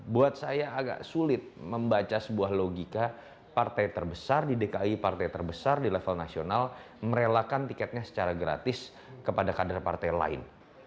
buat saya agak sulit membaca sebuah logika partai terbesar di dki partai terbesar di level nasional merelakan tiketnya secara gratis kepada kader partai lain